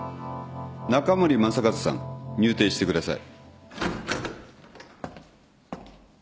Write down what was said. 中森雅和さん入廷してください。